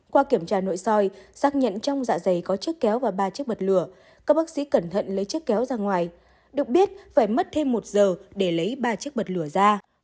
qua kiểm tra nội soi xác nhận trong dạ dày có chiếc kéo và ba chiếc bật lửa các bác sĩ cẩn thận lấy chiếc kéo ra ngoài được biết phải mất thêm một giờ để lấy ba chiếc bật lửa ra